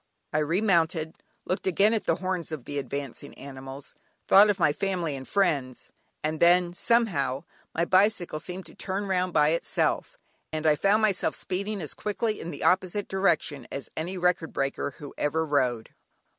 I remounted, looked again at the horns of the advancing animals, thought of my family and friends, and then, somehow, my bicycle seemed to turn round by itself, and I found myself speeding as quickly in the opposite direction as any record breaker who ever rode.